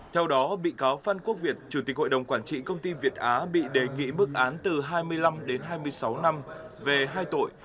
theo đó bị cáo phan quốc việt chủ tịch hội đồng quản trị công ty việt á bị đề nghị mức án từ hai mươi năm đến hai mươi sáu năm về hai tội